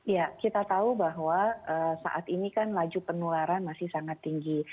ya kita tahu bahwa saat ini kan laju penularan masih sangat tinggi